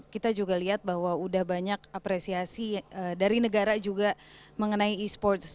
melihat bahwa sudah banyak apresiasi dari negara juga mengenai e sports